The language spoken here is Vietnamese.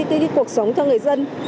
cái cuộc sống cho người dân